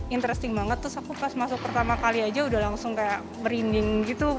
interesting banget terus aku pas masuk pertama kali aja udah langsung kayak merinding gitu